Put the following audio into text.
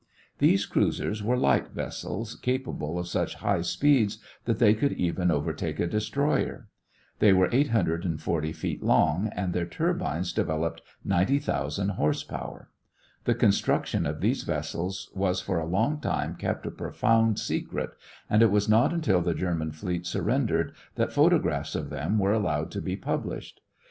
These cruisers were light vessels capable of such high speeds that they could even overtake a destroyer. They were 840 feet long and their turbines developed 90,000 horse power. The construction of these vessels was for a long time kept a profound secret and it was not until the German fleet surrendered that photographs of them were allowed to be published.